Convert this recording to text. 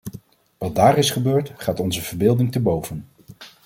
Wat daar is gebeurd, gaat onze verbeelding te boven.